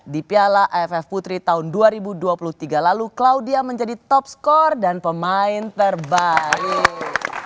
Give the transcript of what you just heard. di piala aff putri tahun dua ribu dua puluh tiga lalu claudia menjadi top skor dan pemain terbaik